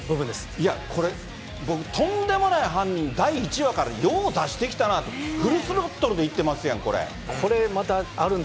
いや、これ、僕、とんでもない犯人、第１話からよう出してきたなと、フルスロットルでいってまってるやん。